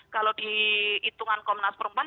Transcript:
kalau di hitungan komnas perempuan